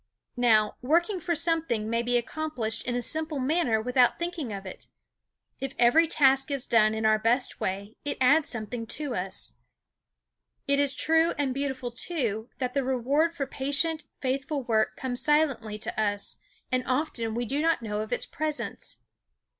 Now, working for something may be accomplished in a simple manner without thinking of it. If every task is done in our best way it adds something to us. It is true and beautiful, too, that the reward for patient, faithful work comes silently to us, and often we do not know of its presence.